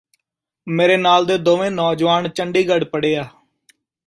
ਮੇਰੇ ਨਾਲ ਦੇ ਦੋਵੇਂ ਨੌਜੁਆਨ ਚੰਡੀਗੜ੍ਹ ਪੜ੍ਹੇ ਆ